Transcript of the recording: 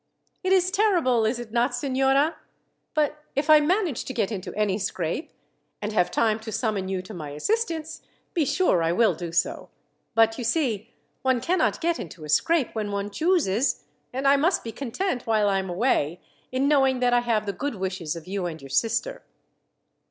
"It is terrible, is it not, signora? But if I manage to get into any scrape, and have time to summon you to my assistance, be sure I will do so. But, you see, one cannot get into a scrape when one chooses, and I must be content, while I am away, in knowing that I have the good wishes of you and your sister."